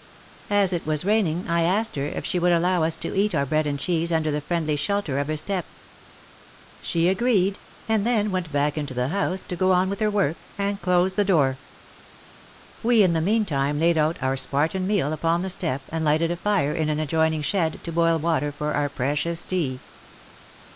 As it was raining I asked her if she would allow us to eat our bread and cheese under the friendly shelter of her stoep. She agreed, and then went back into the house, to go on with her work, and closed the door. We in the meantime laid out our Spartan meal upon the stoep, and lighted a fire in an adjoining shed, to boil water for our precious tea.